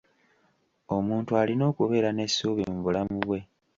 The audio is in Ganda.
Omuntu alina okubeera n'essuubi mu bulamu bwe.